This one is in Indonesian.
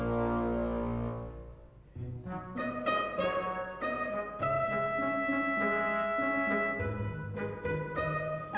tuh kan jak